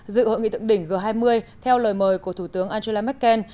dự hội nghị thượng đỉnh g hai mươi theo lời mời của thủ tướng angela merkel